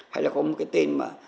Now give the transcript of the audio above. hay là có một cái tên mà